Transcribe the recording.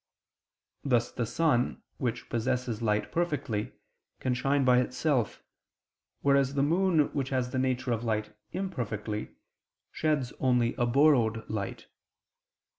Thus the sun which possesses light perfectly, can shine by itself; whereas the moon which has the nature of light imperfectly, sheds only a borrowed light.